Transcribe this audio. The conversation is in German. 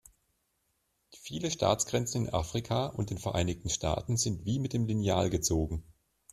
Viele Staatsgrenzen in Afrika und den Vereinigten Staaten sind wie mit dem Lineal gezogen.